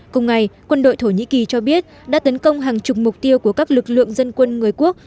cùng ngày quân đội thổ nhĩ kỳ cho biết đã tấn công hàng chục mục tiêu của các lực lượng dân quân người quốc